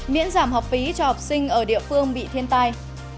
miễn giảm học phí cho học sinh ở địa phương bị thiên tai